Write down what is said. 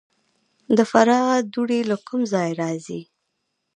د فراه دوړې له کوم ځای راځي؟